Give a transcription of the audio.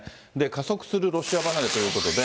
加速するロシア離れということで。